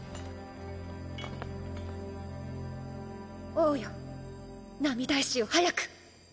王よ涙石を早く。